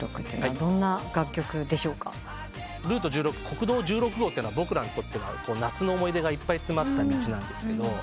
『ＲＯＵＴＥ１６』国道１６号っていうのは僕らにとっては夏の思い出がいっぱい詰まった道なんです。